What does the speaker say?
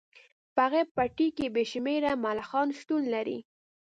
په هغه پټي کې بې شمیره ملخان شتون لري